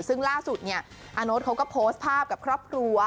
ซึ่งล่าสุดเนี่ยอาโน๊ตเขาก็โพสต์ภาพกับครอบครัว